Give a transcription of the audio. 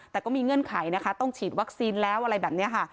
แต่ก็มีเงื่อนไขนะคะต้องฉีดวัคซีนแล้วอะไรแบบนี้ค่ะ